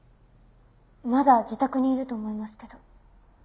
「まだ自宅にいると思いますけど」